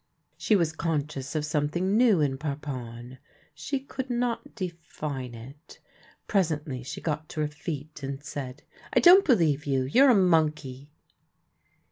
She was conscious of something new in Parpon. She could not define it. Presently she got to her feet and said :" I don't believe you — you're a monkey